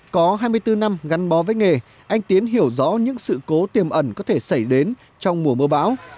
có hai mươi bốn năm gắn bó với nghề anh tiến hiểu rõ những sự cố tiềm ẩn có thể xảy đến trong mùa mưa bão